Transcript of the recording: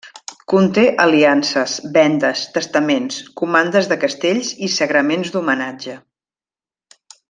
Conté aliances, vendes, testaments, comandes de castells i sagraments d'homenatge.